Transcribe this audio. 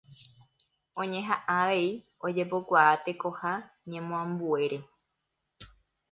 Oñehaʼã avei ojepokuaa tekoha ñemoambuére.